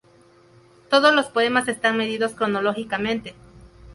Todos los poemas están medidos cronológicamente.